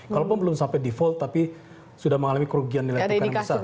kalaupun belum sampai di volt tapi sudah mengalami kerugian nilai tukar yang besar